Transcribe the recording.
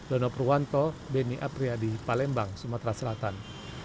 dono purwanto beni apriyadi palembang sumatera selatan